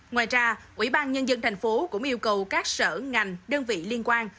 ngoài ra ủy ban nhân dân tp hcm cũng yêu cầu các sở ngành đơn vị liên quan